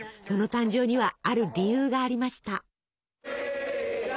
その誕生にはある理由がありました。